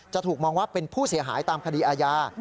ถูกมองว่าเป็นผู้เสียหายตามคดีอาญา